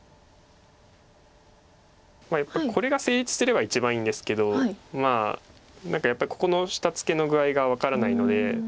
やっぱりこれが成立してれば一番いいんですけど何かやっぱりここの下ツケの具合が分からないので。